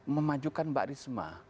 memajukan mbak risma